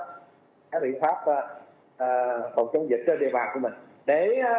các biện pháp phòng chống dịch trên địa bàn của mình để